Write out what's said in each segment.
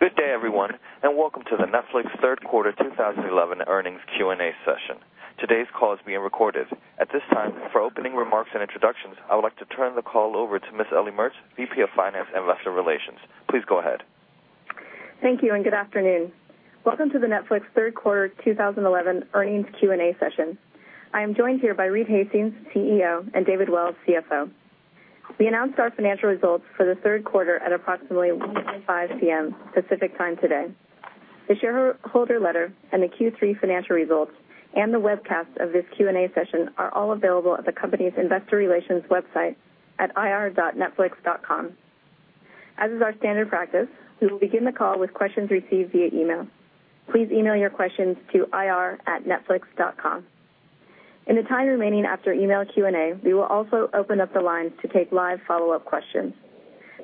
Good day, everyone, and welcome to the Netflix Third Quarter 2011 Earnings Q&A Session. Today's call is being recorded. At this time, for opening remarks and introductions, I would like to turn the call over to Ms. Ellie Mertz, VP of Finance and Investor Relations. Please go ahead. Thank you, and good afternoon. Welcome to the Netflix Third Quarter 2011 Earnings Q&A Session. I am joined here by Reed Hastings, CEO, and David Wells, CFO. We announced our financial results for the third quarter at approximately 5:00 P.M. Pacific Time today. The shareholder letter, the Q3 financial results, and the webcast of this Q&A session are all available at the company's Investor Relations website at ir.netflix.com. As is our standard practice, we will begin the call with questions received via email. Please email your questions to ir@netflix.com. In the time remaining after email Q&A, we will also open up the line to take live follow-up questions.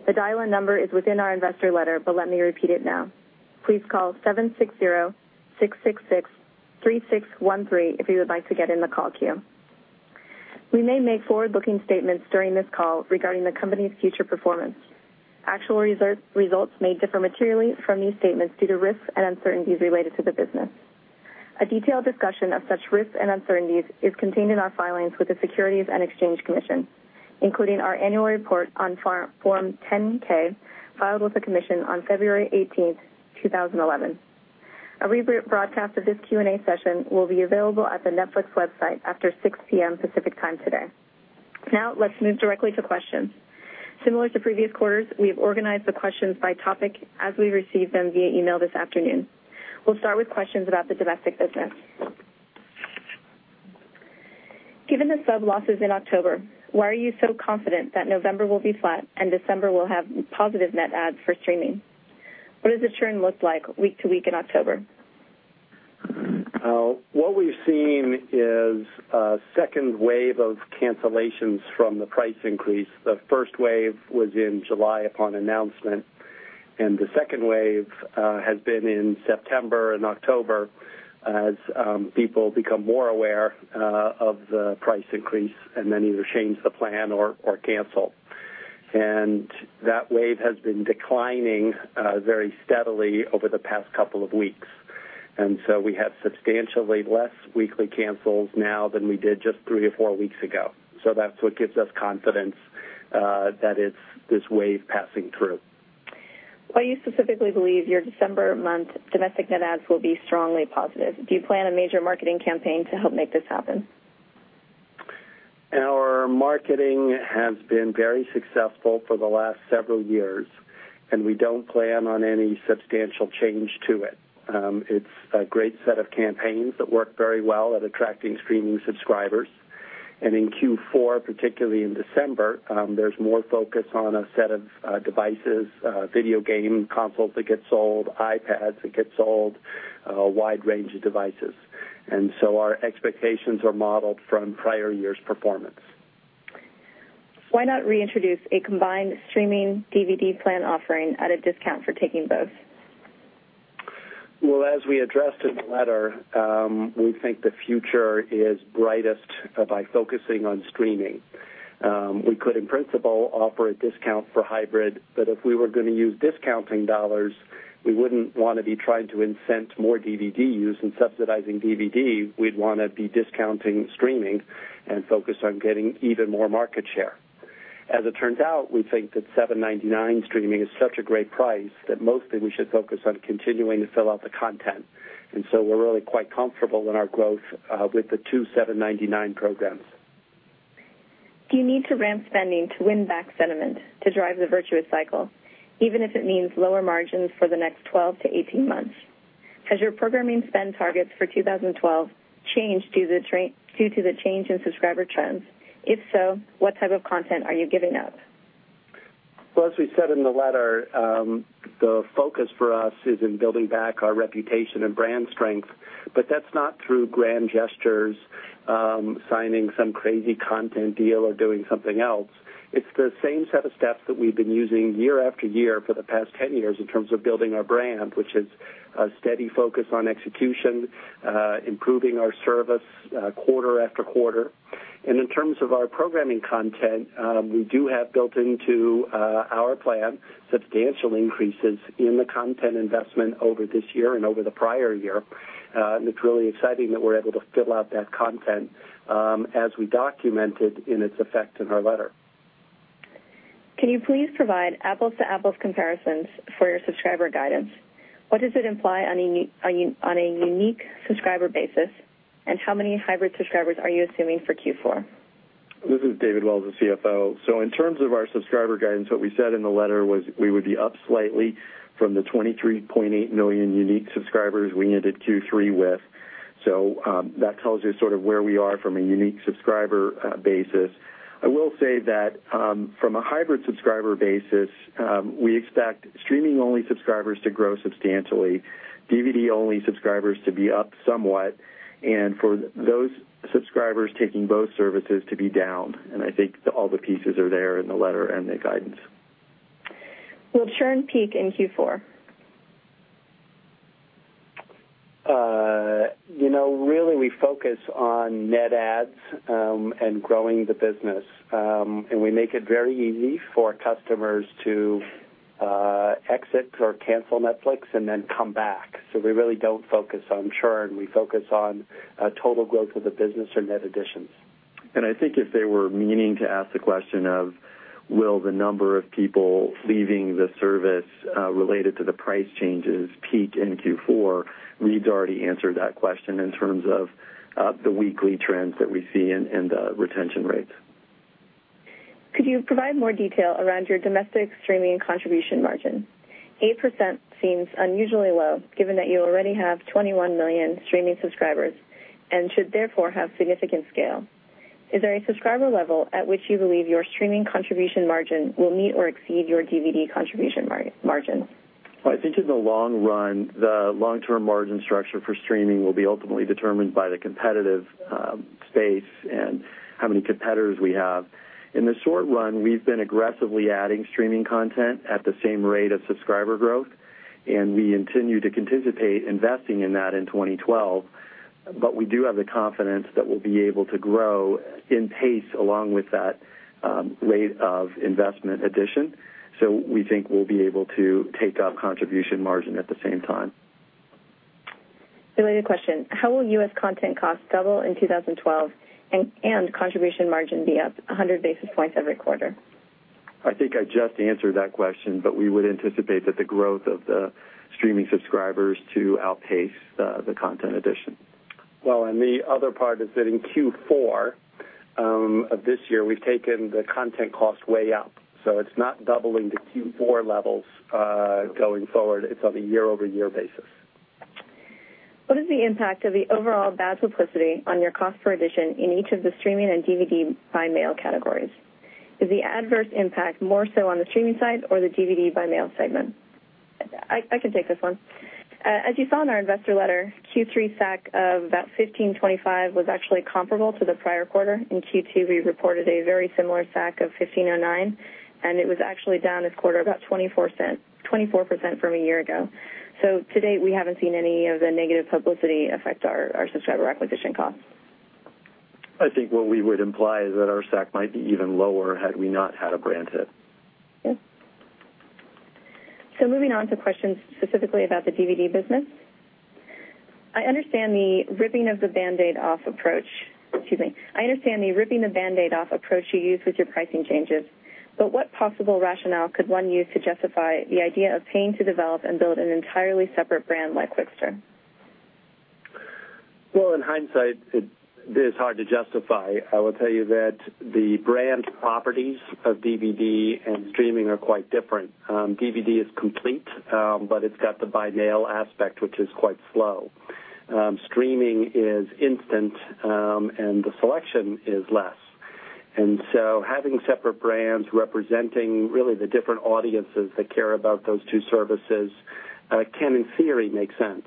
The dial-in number is within our investor letter, but let me repeat it now. Please call 760-666-3613 if you would like to get in the call queue. We may make forward-looking statements during this call regarding the company's future performance. Actual results may differ materially from these statements due to risks and uncertainties related to the business. A detailed discussion of such risks and uncertainties is contained in our filings with the Securities and Exchange Commission, including our annual report on Form 10-K filed with the Commission on February 18, 2011. A rebroadcast of this Q&A session will be available at the Netflix website after 6:00 P.M. Pacific Time today. Now, let's move directly to questions. Similar to previous quarters, we have organized the questions by topic as we received them via email this afternoon. We'll start with questions about the domestic business. Given the sub-losses in October, why are you so confident that November will be flat and December will have positive net adds for streaming? What does the trend look like week to week in October? What we've seen is a second wave of cancellations from the price increase. The first wave was in July upon announcement, and the second wave has been in September and October as people become more aware of the price increase and then either change the plan or cancel. That wave has been declining very steadily over the past couple of weeks, and we have substantially less weekly cancels now than we did just three or four weeks ago. That's what gives us confidence that it's this wave passing through. Why do you specifically believe your December month domestic net adds will be strongly positive? Do you plan a major marketing campaign to help make this happen? Our marketing has been very successful for the last several years, and we don't plan on any substantial change to it. It's a great set of campaigns that work very well at attracting streaming subscribers. In Q4, particularly in December, there's more focus on a set of devices, video game consoles that get sold, iPads that get sold, a wide range of devices. Our expectations are modeled from prior year's performance. Why not reintroduce a combined streaming/DVD plan offering at a discount for taking both? As we addressed in the letter, we think the future is brightest by focusing on streaming. We could, in principle, offer a discount for hybrid, but if we were going to use discounting dollars, we wouldn't want to be trying to incent more DVD use and subsidizing DVD. We'd want to be discounting streaming and focus on getting even more market share. As it turns out, we think that $7.99 streaming is such a great price that mostly we should focus on continuing to fill out the content. We are really quite comfortable in our growth with the two $7.99 programs. Do you need to ramp spending to win back sentiment to drive the virtuous cycle, even if it means lower margins for the next 12 months-18 months? Has your programming spend targets for 2012 changed due to the change in subscriber trends? If so, what type of content are you giving up? As we said in the letter, the focus for us is in building back our reputation and brand strength, but that's not through grand gestures, signing some crazy content deal, or doing something else. It's the same set of steps that we've been using year after year for the past 10 years in terms of building our brand, which is a steady focus on execution, improving our service quarter after quarter. In terms of our programming content, we do have built into our plan substantial increases in the content investment over this year and over the prior year. It's really exciting that we're able to fill out that content as we document it in its effect in our letter. Can you please provide apples-to-apples comparisons for your subscriber guidance? What does it imply on a unique subscriber basis, and how many hybrid subscribers are you assuming for Q4? This is David Wells, the CFO. In terms of our subscriber guidance, what we said in the letter was we would be up slightly from the 23.8 million unique subscribers we ended Q3 with. That tells you sort of where we are from a unique subscriber basis. I will say that from a hybrid subscriber basis, we expect streaming-only subscribers to grow substantially, DVD-only subscribers to be up somewhat, and for those subscribers taking both services to be down. I think all the pieces are there in the letter and the guidance. Will churn peak in Q4? We focus on net adds and growing the business. We make it very easy for customers to exit or cancel Netflix and then come back. We really do not focus on churn. We focus on total growth of the business or net additions. I think if they were meaning to ask the question of will the number of people leaving the service related to the price changes peak in Q4, Reed's already answered that question in terms of the weekly trends that we see and the retention rates. Could you provide more detail around your domestic streaming contribution margin? 8% seems unusually low given that you already have 21 million streaming subscribers and should therefore have significant scale. Is there a subscriber level at which you believe your streaming contribution margin will meet or exceed your DVD contribution margin? I think in the long run, the long-term margin structure for streaming will be ultimately determined by the competitive space and how many competitors we have. In the short run, we've been aggressively adding streaming content at the same rate of subscriber growth, and we continue to anticipate investing in that in 2012. We do have the confidence that we'll be able to grow in pace along with that rate of investment addition. We think we'll be able to take up contribution margin at the same time. Related question, how will U.S. content costs double in 2012 and contribution margin be up 100 basis points every quarter? I think I just answered that question, but we would anticipate that the growth of the streaming subscribers to outpace the content addition. The other part is that in Q4 of this year, we've taken the content costs way up. It's not doubling the Q4 levels going forward. It's on a year-over-year basis. What is the impact of the overall bad publicity on your cost per addition in each of the streaming and DVD-by-mail categories? Is the adverse impact more so on the streaming side or the DVD-by-mail segment? I can take this one. As you saw in our investor letter, Q3 SAC of about $15.25 was actually comparable to the prior quarter. In Q2, we reported a very similar SAC of $15.09, and it was actually down this quarter about 24% from a year ago. To date, we haven't seen any of the negative publicity affect our subscriber acquisition costs. I think what we would imply is that our SAC might be even lower had we not had a brand hit. Moving on to questions specifically about the DVD business. I understand the ripping the Band-Aid off approach you use with your pricing changes, but what possible rationale could one use to justify the idea of paying to develop and build an entirely separate brand like Qwikster? In hindsight, it is hard to justify. I will tell you that the brand properties of DVD and streaming are quite different. DVD is complete, but it's got the by-mail aspect, which is quite slow. Streaming is instant, and the selection is less. Having separate brands representing really the different audiences that care about those two services can, in theory, make sense.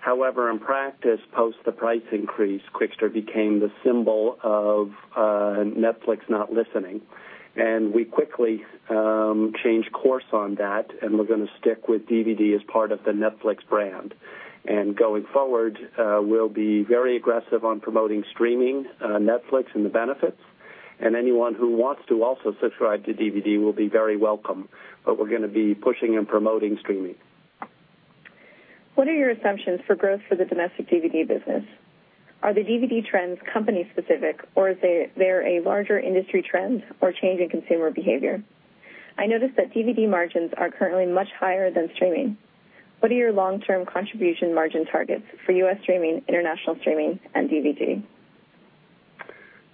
However, in practice, post the price increase, Qwikster became the symbol of Netflix not listening. We quickly changed course on that, and we're going to stick with DVD as part of the Netflix brand. Going forward, we'll be very aggressive on promoting streaming, Netflix, and the benefits. Anyone who wants to also subscribe to DVD will be very welcome. We're going to be pushing and promoting streaming. What are your assumptions for growth for the domestic DVD business? Are the DVD trends company-specific, or is there a larger industry trend or change in consumer behavior? I noticed that DVD margins are currently much higher than streaming. What are your long-term contribution margin targets for U.S. streaming, international streaming, and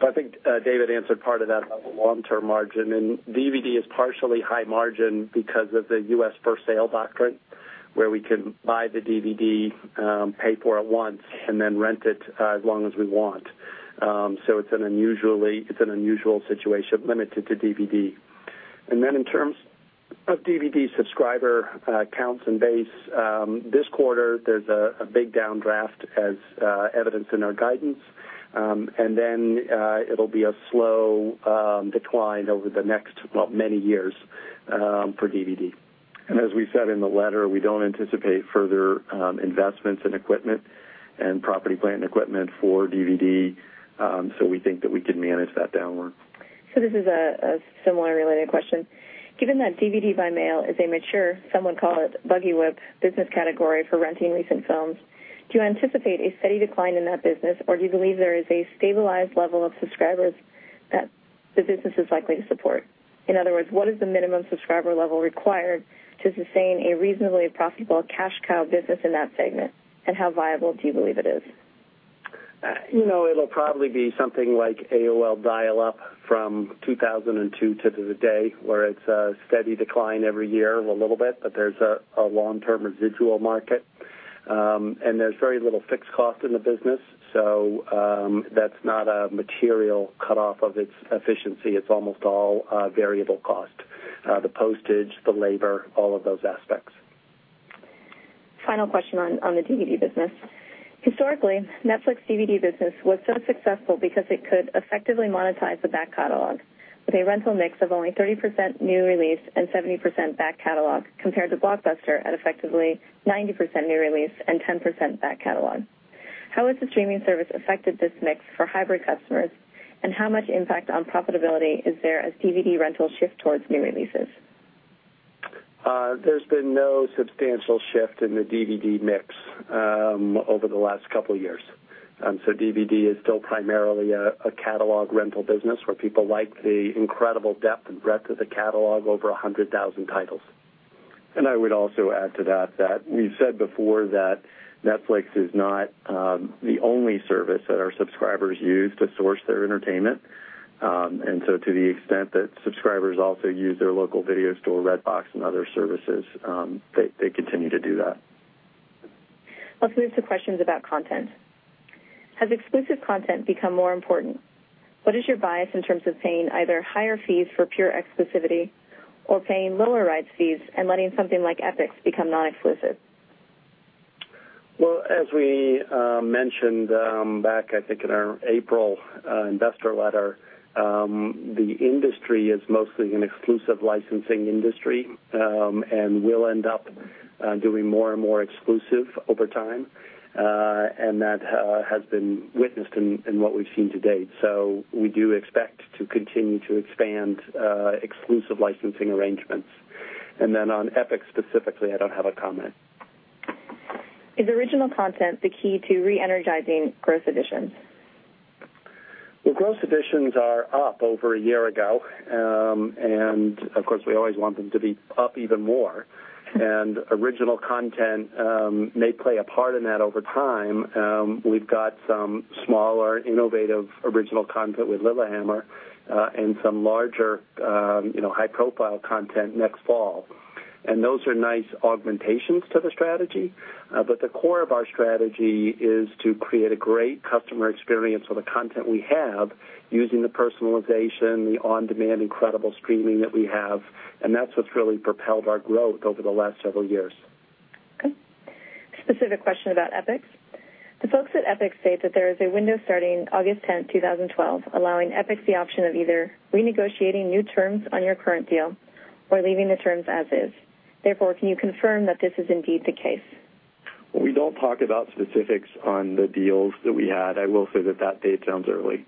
DVD? I think David answered part of that about the long-term margin. DVD is partially high margin because of the U.S. per sale doctrine, where we can buy the DVD, pay for it once, and then rent it as long as we want. It is an unusual situation limited to DVD. In terms of DVD subscriber counts and base, this quarter, there's a big down draft as evidenced in our guidance. It will be a slow decline over the next many years for DVD. As we said in the letter, we don't anticipate further investments in equipment and property, plant, and equipment for DVD. We think that we can manage that downward. This is a similar related question. Given that DVD-by-mail is a mature, some would call it buggy-whip business category for renting recent films, do you anticipate a steady decline in that business, or do you believe there is a stabilized level of subscribers that the business is likely to support? In other words, what is the minimum subscriber level required to sustain a reasonably profitable cash cow business in that segment, and how viable do you believe it is? It'll probably be something like AOL dial-up from 2002 to today, where it's a steady decline every year of a little bit, but there's a long-term residual market. There's very little fixed cost in the business. That's not a material cutoff of its efficiency. It's almost all variable cost: the postage, the labor, all of those aspects. Final question on the DVD business. Historically, Netflix's DVD business was so successful because it could effectively monetize the back catalog, a rental mix of only 30% new release and 70% back catalog compared to Blockbuster at effectively 90% new release and 10% back catalog. How has the streaming service affected this mix for hybrid customers, and how much impact on profitability is there as DVD rentals shift towards new releases? There's been no substantial shift in the DVD mix over the last couple of years. DVD is still primarily a catalog rental business where people like the incredible depth and breadth of the catalog, over 100,000 titles. I would also add to that that we've said before that Netflix is not the only service that our subscribers use to source their entertainment. To the extent that subscribers also use their local video store, Redbox, and other services, they continue to do that. Let's move to questions about content. Has exclusive content become more important? What is your bias in terms of paying either higher fees for pure exclusivity or paying lower rights fees and letting something like Epix become non-exclusive? As we mentioned back, I think, in our April investor letter, the industry is mostly an exclusive licensing industry and will end up doing more and more exclusive over time. That has been witnessed in what we've seen to date. We do expect to continue to expand exclusive licensing arrangements. On Epix specifically, I don't have a comment. Is original content the key to re-energizing gross additions? Gross additions are up over a year ago. Of course, we always want them to be up even more. Original content may play a part in that over time. We've got some smaller innovative original content with [Lillihammer] and some larger, you know, high-profile content next fall. Those are nice augmentations to the strategy. The core of our strategy is to create a great customer experience on the content we have using the personalization, the on-demand incredible streaming that we have. That's what's really propelled our growth over the last several years. Okay. Specific question about Epix. The folks at Epix state that there is a window starting August 10, 2012, allowing Epix the option of either renegotiating new terms on your current deal or leaving the terms as is. Therefore, can you confirm that this is indeed the case? We don't talk about specifics on the deals that we had. I will say that that date sounds early.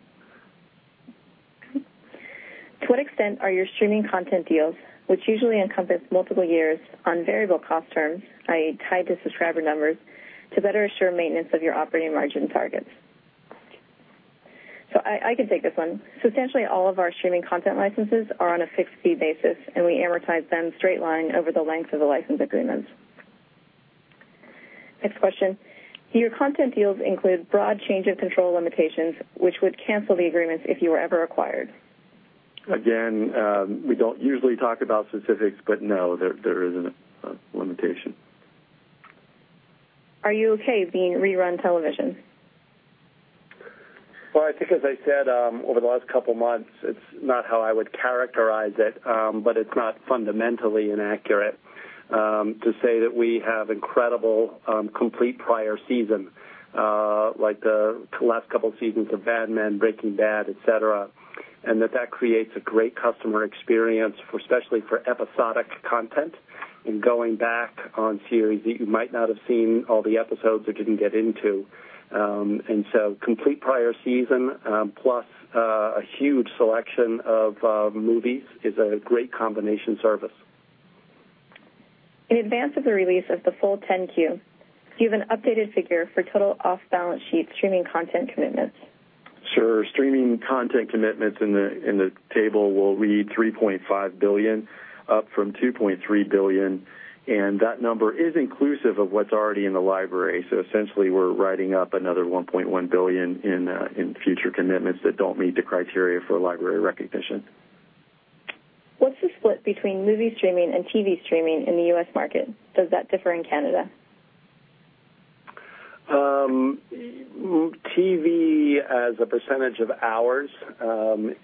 To what extent are your streaming content deals, which usually encompass multiple years on variable cost terms, i.e., tied to subscriber numbers, to better assure maintenance of your operating margin targets? I can take this one. Substantially all of our streaming content licenses are on a fixed-fee basis, and we amortize them straight line over the length of the license agreements. Next question. Do your content deals include broad change of control limitations, which would cancel the agreements if you were ever acquired? Again, we don't usually talk about specifics, but no, there isn't a limitation. Are you okay being rerun television? I think, as I said, over the last couple of months, it's not how I would characterize it, but it's not fundamentally inaccurate to say that we have incredible complete prior season, like the last couple of seasons of "Mad Men," "Breaking Bad," etc., and that that creates a great customer experience, especially for episodic content and going back on series that you might not have seen all the episodes or didn't get into. Complete prior season plus a huge selection of movies is a great combination service. In advance of the release of the full 10-Q, do you have an updated figure for total off-balance sheet streaming content commitments? Sure. Streaming content commitments in the table will read $3.5 billion, up from $2.3 billion. That number is inclusive of what's already in the library. Essentially, we're writing up another $1.1 billion in future commitments that don't meet the criteria for library recognition. What's the split between movie streaming and TV streaming in the U.S. market? Does that differ in Canada? TV, as a percentage of hours,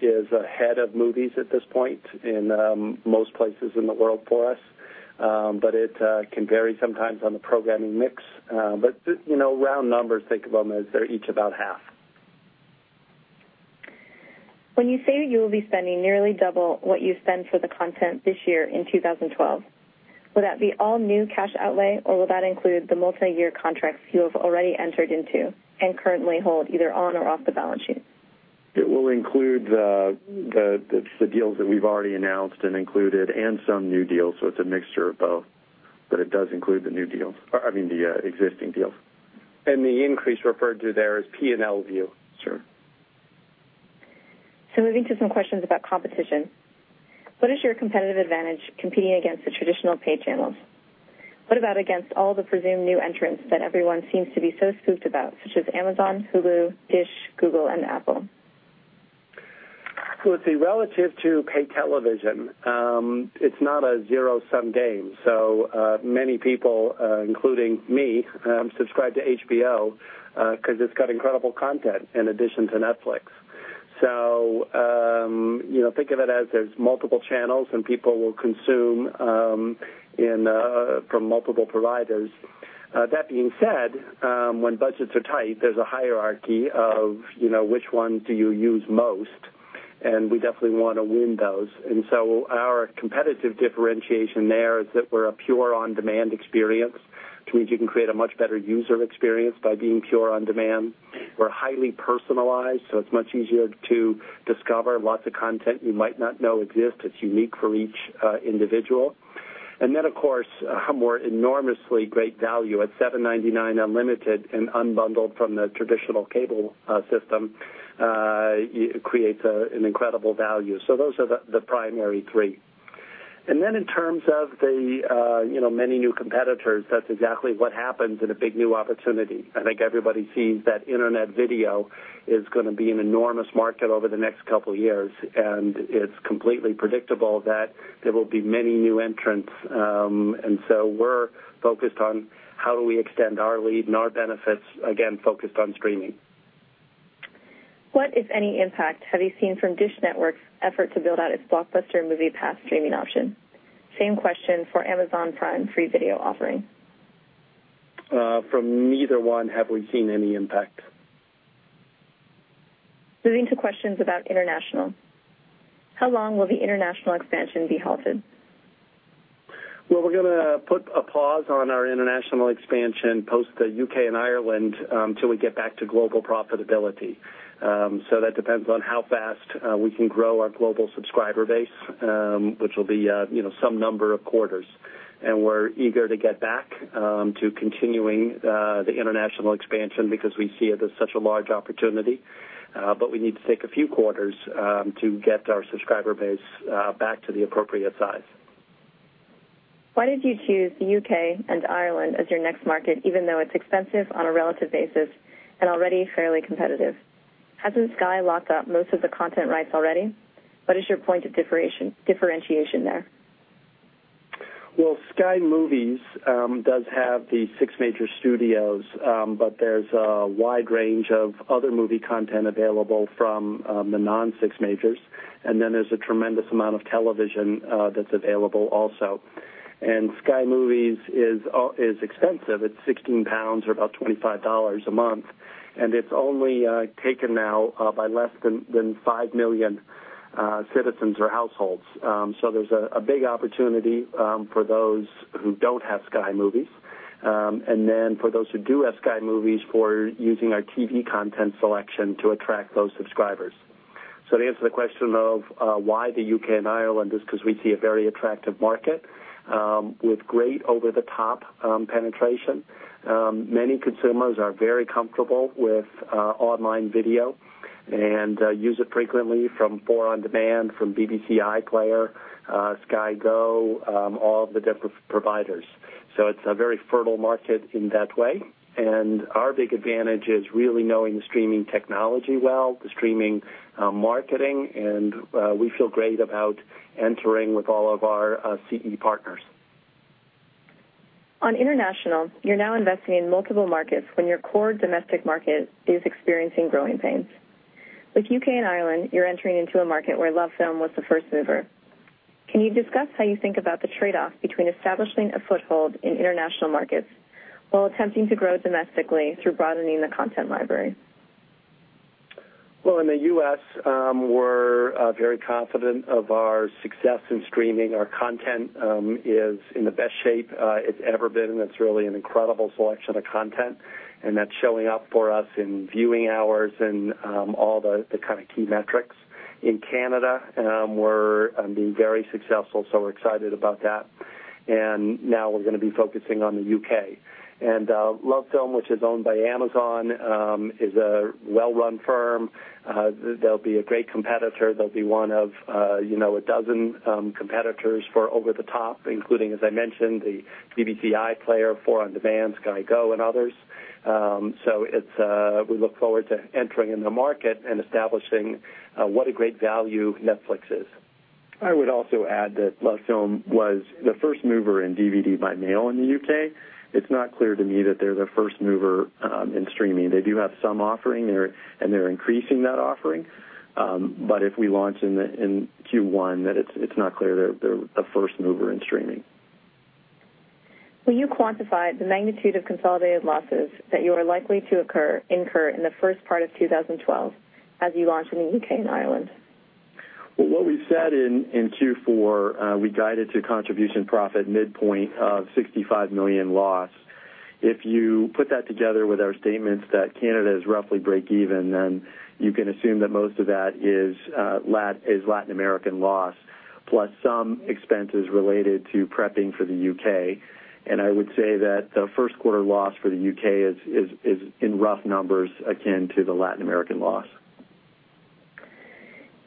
is ahead of movies at this point in most places in the world for us. It can vary sometimes on the programming mix. Round numbers, think of them as they're each about half. When you say that you will be spending nearly double what you spend for the content this year in 2012, will that be all new cash outlay, or will that include the multi-year contracts you have already entered into and currently hold either on or off the balance sheet? It will include the deals that we've already announced and included, and some new deals. It's a mixture of both. It does include the new deals, I mean, the existing deals. The increase referred to there is P&L view. Sure. Moving to some questions about competition. What is your competitive advantage competing against the traditional pay channels? What about against all the presumed new entrants that everyone seems to be so spooked about, such as Amazon, Hulu, DISH, Google, and Apple? Relative to pay television, it's not a zero-sum game. Many people, including me, subscribe to HBO because it's got incredible content in addition to Netflix. Think of it as there's multiple channels and people will consume from multiple providers. That being said, when budgets are tight, there's a hierarchy of which one you use most. We definitely want to win those. Our competitive differentiation there is that we're a pure on-demand experience, which means you can create a much better user experience by being pure on-demand. We're highly personalized, so it's much easier to discover lots of content you might not know exists. It's unique for each individual. Of course, a more enormously great value at $7.99 unlimited and unbundled from the traditional cable system creates an incredible value. Those are the primary three. In terms of the many new competitors, that's exactly what happens in a big new opportunity. I think everybody sees that internet video is going to be an enormous market over the next couple of years. It's completely predictable that there will be many new entrants. We're focused on how do we extend our lead and our benefits, again, focused on streaming. What, if any, impact have you seen from DISH Network's effort to build out its Blockbuster Movie Pass streaming option? Same question for Amazon Prime free video offering. From neither one have we seen any impact. Moving to questions about international. How long will the international expansion be halted? We are going to put a pause on our international expansion post the U.K. and Ireland until we get back to global profitability. That depends on how fast we can grow our global subscriber base, which will be, you know, some number of quarters. We are eager to get back to continuing the international expansion because we see it as such a large opportunity, but we need to take a few quarters to get our subscriber base back to the appropriate size. Why did you choose the U.K. and Ireland as your next market, even though it's expensive on a relative basis and already fairly competitive? Hasn't Sky locked up most of the content rights already? What is your point of differentiation there? Sky Movies does have the six major studios, but there's a wide range of other movie content available from the non-six majors. There's a tremendous amount of television that's available also. Sky Movies is expensive. It's 16 pounds or about $25 a month, and it's only taken now by less than 5 million citizens or households. There's a big opportunity for those who don't have Sky Movies. For those who do have Sky Movies, we're using our TV content selection to attract those subscribers. To answer the question of why the U.K. and Ireland, it's because we see a very attractive market with great over-the-top penetration. Many consumers are very comfortable with online video and use it frequently from Four on demand, from BBC iPlayer, Sky Go, all of the different providers. It's a very fertile market in that way. Our big advantage is really knowing the streaming technology well, the streaming marketing, and we feel great about entering with all of our CE partners. On international, you're now investing in multiple markets when your core domestic market is experiencing growing pains. With U.K. and Ireland, you're entering into a market where LoveFilm was the first mover. Can you discuss how you think about the trade-off between establishing a foothold in international markets while attempting to grow domestically through broadening the content library? In the U.S., we're very confident of our success in streaming. Our content is in the best shape it's ever been. It's really an incredible selection of content, and that's showing up for us in viewing hours and all the kind of key metrics. In Canada, we're very successful, so we're excited about that. Now we're going to be focusing on the U.K. LoveFilm, which is owned by Amazon, is a well-run firm. They'll be a great competitor. They'll be one of, you know, a dozen competitors for over-the-top, including, as I mentioned, the BBC iPlayer, Four on demand, Sky Go, and others. We look forward to entering the market and establishing what a great value Netflix is. I would also add that Love Film was the first mover in DVD-by-mail in the U.K. It's not clear to me that they're the first mover in streaming. They do have some offering there, and they're increasing that offering. If we launch in Q1, it's not clear they're the first mover in streaming. Will you quantify the magnitude of consolidated losses that you are likely to incur in the first part of 2012 as you launch in the U.K. and Ireland? In Q4, we guided to contribution profit midpoint of $65 million loss. If you put that together with our statements that Canada is roughly break-even, you can assume that most of that is Latin American loss plus some expenses related to prepping for the U.K. I would say that the first quarter loss for the U.K. is in rough numbers akin to the Latin American loss.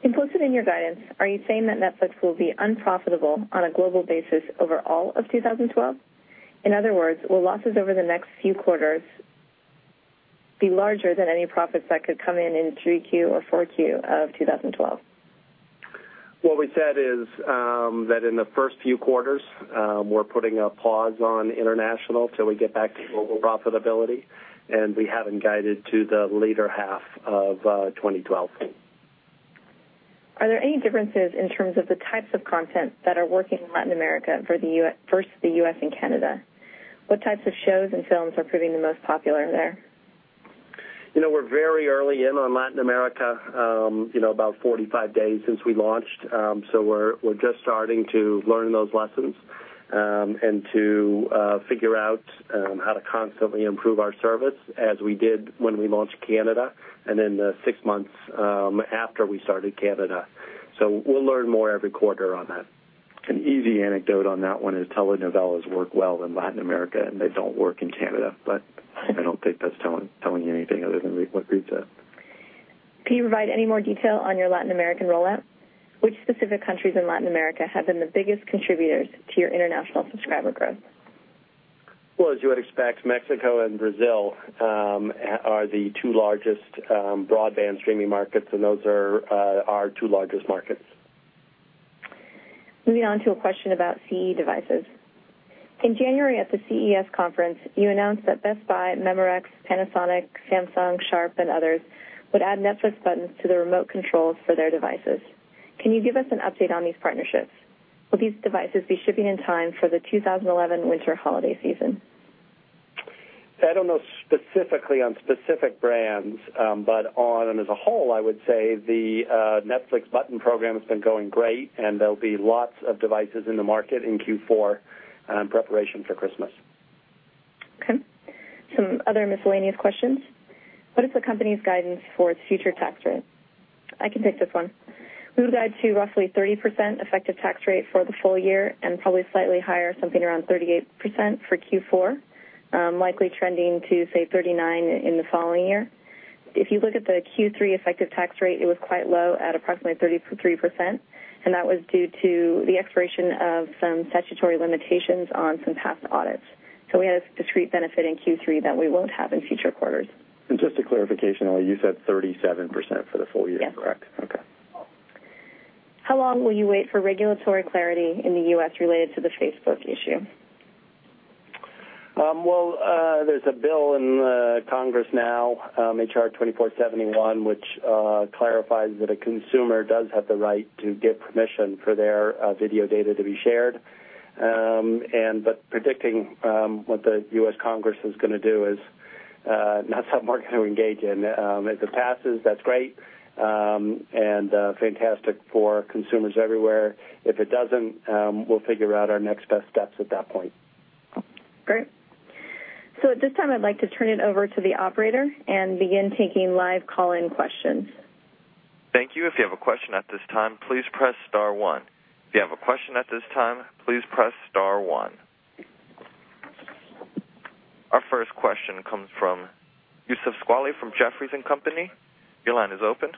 Inputted in your guidance, are you saying that Netflix will be unprofitable on a global basis over all of 2012? In other words, will losses over the next few quarters be larger than any profits that could come in in 3Q or 4Q of 2012? What we said is that in the first few quarters, we're putting a pause on international until we get back to global profitability. We haven't guided to the later half of 2012. Are there any differences in terms of the types of content that are working in Latin America versus the U.S. and Canada? What types of shows and films are proving the most popular there? You know, we're very early in on Latin America, about 45 days since we launched. We're just starting to learn those lessons and to figure out how to constantly improve our service as we did when we launched Canada and in the six months after we started Canada. We'll learn more every quarter on that. An easy anecdote on that one is telenovelas work well in Latin America, and they don't work in Canada. I don't think that's telling you anything other than what Reed said. Can you provide any more detail on your Latin American rollout? Which specific countries in Latin America have been the biggest contributors to your international subscriber growth? As you would expect, Mexico and Brazil are the two largest broadband streaming markets, and those are our two largest markets. Moving on to a question about CE devices. In January at the CES conference, you announced that Best Buy, Memorex, Panasonic, Samsung, Sharp, and others would add Netflix buttons to the remote controls for their devices. Can you give us an update on these partnerships? Will these devices be shipping in time for the 2011 winter holiday season? I don't know specifically on specific brands, but as a whole, I would say the Netflix button program has been going great, and there'll be lots of devices in the market in Q4 in preparation for Christmas. Okay. Some other miscellaneous questions. What is the company's guidance for its future tax rate? I can take this one. We would guide to roughly 30% effective tax rate for the full year and probably slightly higher, something around 38% for Q4, likely trending to, say, 39% in the following year. If you look at the Q3 effective tax rate, it was quite low at approximately 33%, and that was due to the expiration of some statutory limitations on some past audits. We had a discrete benefit in Q3 that we won't have in future quarters. Just a clarification, Ellie, you said 37% for the full year, correct? Yes. Okay. How long will you wait for regulatory clarity in the U.S. related to the Facebook issue? There is a bill in Congress now, HR 2471, which clarifies that a consumer does have the right to get permission for their video data to be shared. Predicting what the U.S. Congress is going to do is not something we're going to engage in. If it passes, that's great and fantastic for consumers everywhere. If it doesn't, we'll figure out our next best steps at that point. Great. At this time, I'd like to turn it over to the operator and begin taking live call-in questions. Thank you. If you have a question at this time, please press star one. If you have a question at this time, please press star one. Our first question comes from Youssef Squali from Jefferies & Company. Your line is open.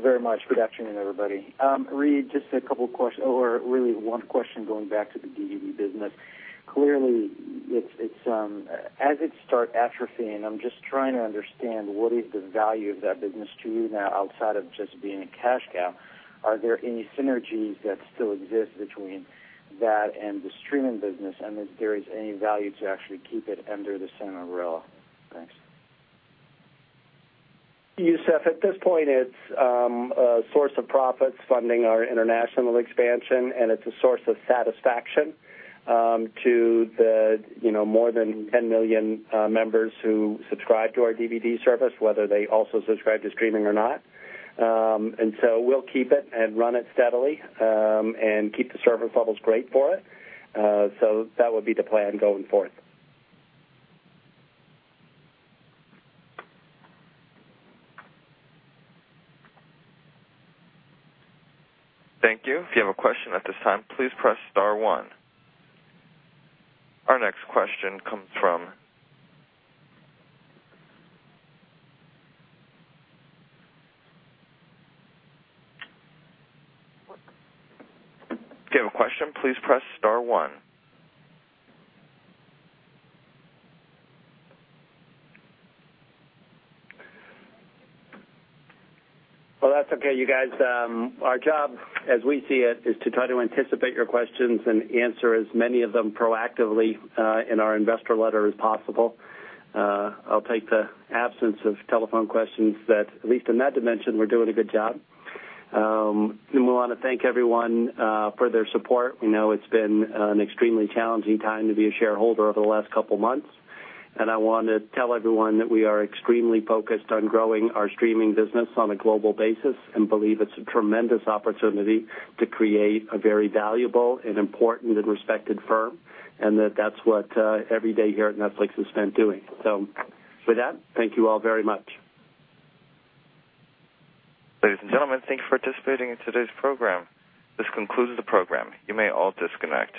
Thank you very much. Good afternoon, everybody. Reed, just a couple of questions or really one question going back to the DVD business. Clearly, as it starts atrophying, I'm just trying to understand what is the value of that business to you now outside of just being a cash cow. Are there any synergies that still exist between that and the streaming business, and if there is any value to actually keep it under the same umbrella? Thanks. Yousef, at this point, it's a source of profits funding our international expansion, and it's a source of satisfaction to the, you know, more than 10 million members who subscribe to our DVD-by-mail service, whether they also subscribe to streaming or not. We'll keep it and run it steadily and keep the service levels great for it. That would be the plan going forward. Thank you. If you have a question at this time, please press star one. Our next question comes from... If you have a question, please press star one. Our job, as we see it, is to try to anticipate your questions and answer as many of them proactively in our investor letter as possible. I'll take the absence of telephone questions that, at least in that dimension, we're doing a good job. We want to thank everyone for their support. We know it's been an extremely challenging time to be a shareholder over the last couple of months. I want to tell everyone that we are extremely focused on growing our streaming business on a global basis and believe it's a tremendous opportunity to create a very valuable and important and respected firm, and that that's what every day here at Netflix is spent doing. With that, thank you all very much. Ladies and gentlemen, thank you for participating in today's program. This concludes the program. You may all disconnect.